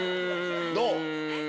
どう？